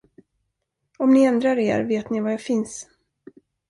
Om ni ändrar er, vet ni var jag finns.